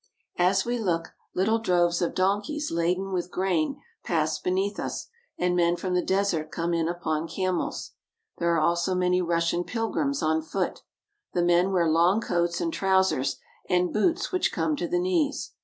As we look, little droves of donkeys laden with grain pass beneath us, and men from the desert come in upon camels. There are also many Russian pilgrims on foot. The men wear long coats and trousers and boots which come to the knees.